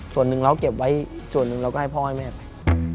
ส่วนหนึ่งเราก็เก็บไว้ส่วนหนึ่งเราก็ให้พ่อให้แม่ไป